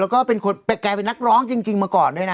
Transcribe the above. ก็เป็นคนแกเป็นนักร้องจริงเมื่อก่อนด้วยนะ